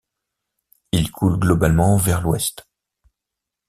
Il coule globalement vers l'ouest.